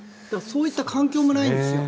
そういった環境もないんですよ。